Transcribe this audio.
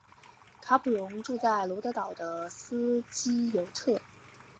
卡普荣住在罗德岛的斯基尤特。